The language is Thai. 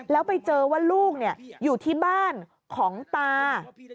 แล้วไปเจอว่าลูกอยู่ที่บ้านของตา